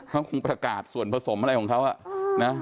เขาคงประกาศส่วนผสมอะไรของเขานะ